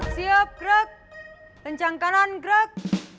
siap gerak kencang kanan gerak